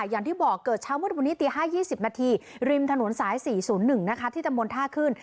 อย่างที่บอกเกิดเช้ามืดวันนี้ตี๕๒๐นาทีริมถนนสาย๔๐๑นะคะที่ตำบลท่าขึ้น